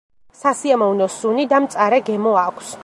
სასიამოვნო სუნი და მწარე გემო აქვს.